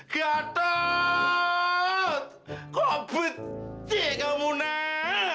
kok benci kamu nek